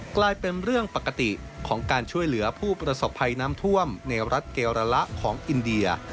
กลายเป็นเรื่องปกติของการช่วยเหลือผู้ประสบภัยน้ำท่วมในรัฐเกลระละของอินเดีย